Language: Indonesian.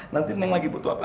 nanti neng lagi butuh apa